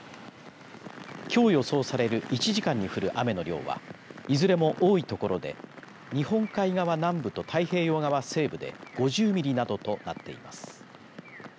きょう予想される１時間に降る雨の量はいずれも多い所で日本海側南部と太平洋側西部で５０ミリなどとなっています。